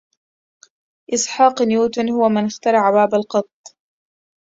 إسحاق نيوتن هو من إخترع باب القطط.